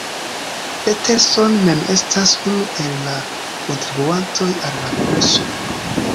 Peterson mem estas unu el la kontribuantoj al la kurso.